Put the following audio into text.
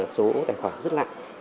số tài khoản rất lạ